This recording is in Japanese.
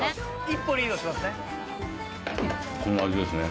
一歩リードしてますね。